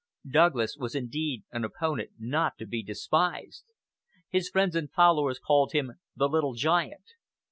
Douglas was indeed an opponent not to be despised. His friends and followers called him the "Little Giant."